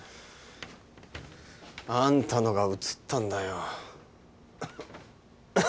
あんたのがうつったんだよ。